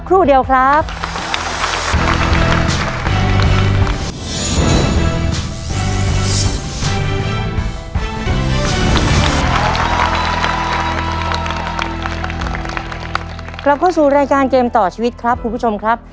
กลับเข้าสู่รายการเกมต่อชีวิตครับคุณผู้ชมครับ